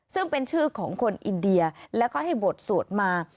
ซึ่งเป็นชื่อของคนอินเดียแล้วก็ให้บทสวดมา